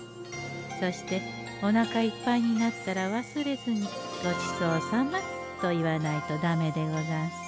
そしておなかいっぱいになったら忘れずに「ごちそうさま」と言わないとダメでござんす。